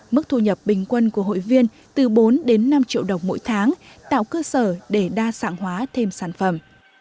mức thu nhập bình quân của hội viên từ bốn đến năm triệu đồng mỗi tháng tạo cơ sở để đa dạng hóa thêm sản phẩm